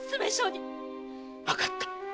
わかった！